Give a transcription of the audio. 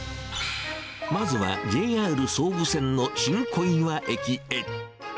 まずはＪＲ総武線の新小岩駅へ。